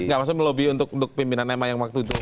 enggak maksudnya melobi untuk pimpinan emak yang waktu itu